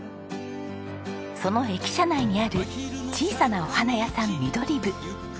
その駅舎内にある小さなお花屋さんミドリブ。